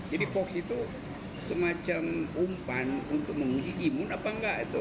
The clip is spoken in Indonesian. jadi hoax itu semacam umpan untuk menguji imun apa nggak